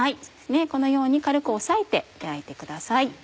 このように軽く押さえて焼いてください。